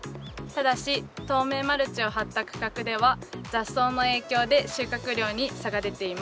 ただし透明マルチを張った区画では雑草の影響で収穫量に差が出ています。